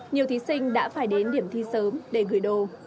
nhiều thí sinh đã phải đến điểm thi sớm để gửi đồ